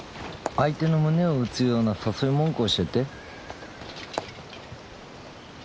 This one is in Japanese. ・相手の胸を打つような誘い文句を教えて。